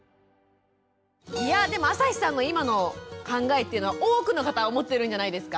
いやぁでも朝日さんの今の考えっていうのは多くの方思ってるんじゃないですか？